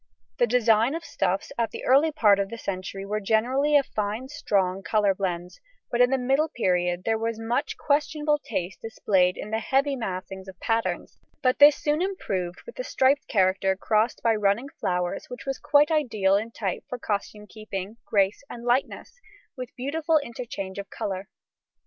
The designs of stuffs at the early part of the century were generally of fine strong colour blends, but in the middle period there was much questionable taste displayed in the heavy massing of patterns, but this soon improved with the striped character crossed by running flowers which was quite ideal in type for costume keeping, grace, and lightness, with a beautiful interchange of colour.